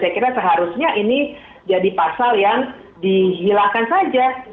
kita seharusnya ini jadi pasal yang dihilangkan saja